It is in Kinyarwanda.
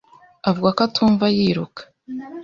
avuga ko atumva yiruka .